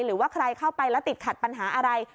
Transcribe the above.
หรือว่าใครเข้าไปแล้วติดขัดปัญหาอะไร